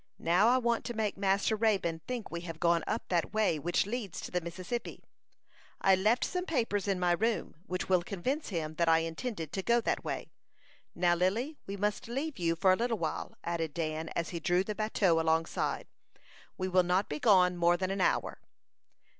Now, I want to make Master Raybone think we have gone up that way, which leads to the Mississippi. I left some papers in my room, which will convince him that I intended to go that way. Now, Lily, we must leave you for a little while," added Dan, as he drew the bateau alongside. "We will not be gone more than an hour."